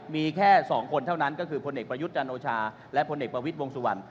มีแค่๒คนเท่านั้นก็คือพลเอกประยุทธ์จันโอชาและพลเอกประวิทย์วงสุวรรณ